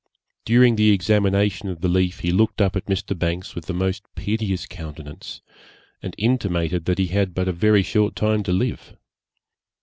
During the examination of the leaf he looked up at Mr. Banks with the most piteous countenance, and intimated that he had but a very short time to live.